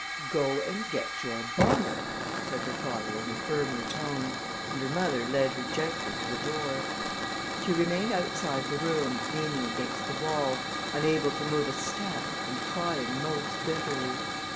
"Go and get your bonnet," said her father in a firmer tone, and her mother led her gently to the door. She remained outside the room, leaning against the wall, unable to move a step, and crying most bitterly.